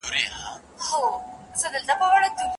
که توافق ونلري، هغوی به ښه ژوند ونه سي کړای.